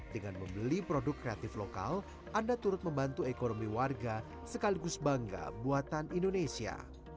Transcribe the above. dengan membeli produk kreatif lokal anda turut membantu ekonomi warga sekaligus bangga buatan indonesia